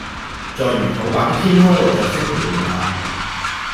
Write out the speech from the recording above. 在魚肚白的天空和雀聲陪伴下